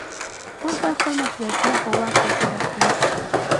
موږ باید خپل مسؤلیتونه په وخت ترسره کړو